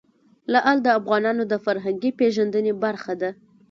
لعل د افغانانو د فرهنګي پیژندنې برخه ده.